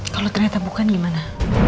kalau ternyata bukan gimana